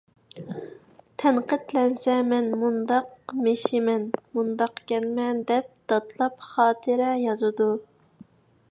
تەنقىدلەنسە مەن مۇنداقمىشمەن، مۇنداقكەنمەن دەپ دادلاپ خاتىرە يازىدۇ.